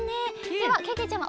ではけけちゃま。